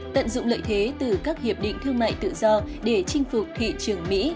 tận dụng lợi thế từ các hiệp định thương mại tự do để chinh phục thị trường mỹ